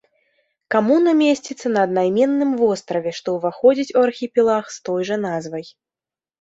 Камуна месціцца на аднайменным востраве, што ўваходзіць у архіпелаг з той жа назвай.